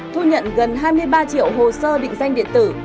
thu nhận gần hai mươi ba triệu hồ sơ định danh điện tử